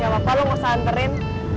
gak apa apa lo gak usah anterin